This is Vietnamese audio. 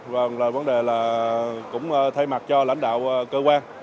và vấn đề là cũng thay mặt cho lãnh đạo cơ quan